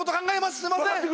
すいません